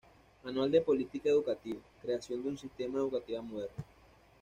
Manual de política educativa, creación de un sistema educativo moderno.